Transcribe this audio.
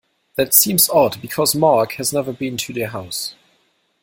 That seems odd because Mark has never been to the house.